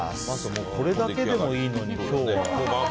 これだけでもいいのに。